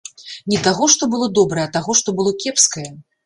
Не таго, што было добрае, а таго, што было кепскае.